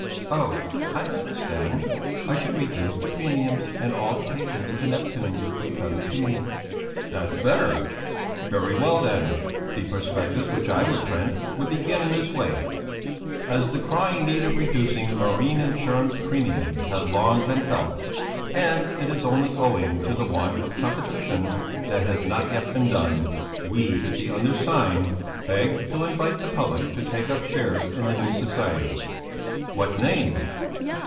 "Oh! I understand! I should reduce the premiums and all the patrons of the 'Neptune' would come to me." "That's better! Very well, then, the prospectus which I would print would begin in this way: 'As the crying need of reducing the marine insurance premiums has long been felt, and it is only owing to the want of competition that it has not yet been done, we, the undersigned, beg to invite the public to take up shares in the new society.... What name?"